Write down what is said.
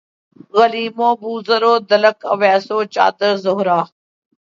Gleam بو ذر و دلق اویس و چادر زہرا